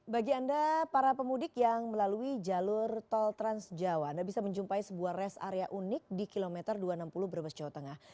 bagi anda para pemudik yang melalui jalur tol transjawa anda bisa menjumpai sebuah rest area unik di kilometer dua ratus enam puluh brebes jawa tengah